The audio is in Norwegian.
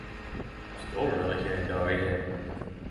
Står du der ikje ein dag eg kjem